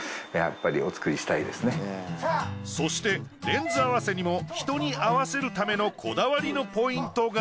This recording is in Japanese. そしてレンズ合わせにも人に合わせるためのこだわりのポイントが。